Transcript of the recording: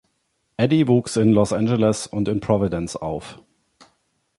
Eddie wuchs in Los Angeles und in Providence auf.